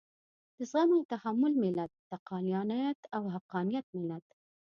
د زغم او تحمل ملت، د عقلانيت او حقانيت ملت.